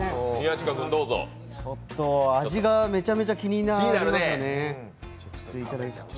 味がめちゃめちゃ気になりますよね。